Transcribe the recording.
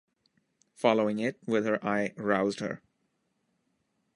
Following it with her eye roused her.